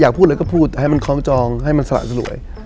พูดอะไรก็พูดให้มันคล้องจองให้มันสละสลวย